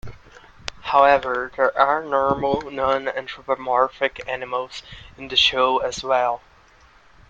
However, there are normal, non-anthropomorphic animals in the show as well.